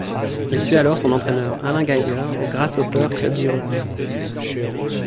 Il suit alors son entraîneur Alain Geiger au Grasshopper Club Zurich.